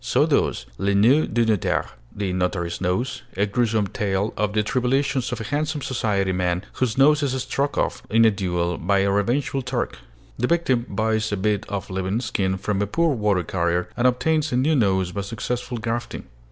So does 'Le Nez du Notaire' (The Notary's Nose), a gruesome tale of the tribulations of a handsome society man, whose nose is struck off in a duel by a revengeful Turk. The victim buys a bit of living skin from a poor water carrier, and obtains a new nose by successful grafting.